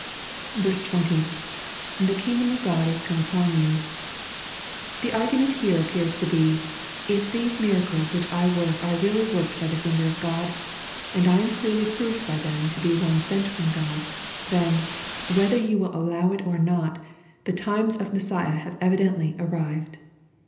20. — [The kingdom of Ood is come upon you^ The argument here appears to be this, —" If these miracles which I work are really worked by the finger of God, and I am clearly proved by them to be one sent from God, then, whether you will allow it or not, the times of Messiah have evidently arrived.